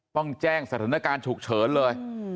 ต้องแจ้งสถานการณ์ฉุกเฉินเลย